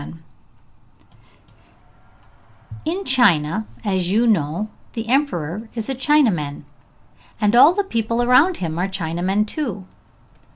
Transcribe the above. _] In China, as you know, the Emperor is a Chinaman, and all the people around him are Chinamen too.